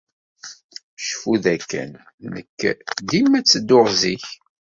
Cfu dakken nekk dima ttedduɣ zik.